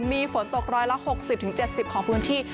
มีฝนตกร้อยละ๖๐๗๐ของพื้นที่